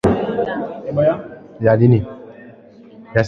Rhonda alikuwa na nyumba huko Venice